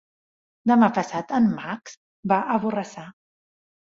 Demà passat en Max va a Borrassà.